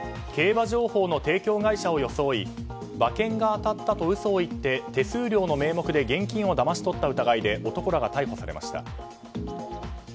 競馬情報の提供会社を装い馬券が当たったと嘘を言って手数料の名目で現金をだまし取った疑いで男らが逮捕されました。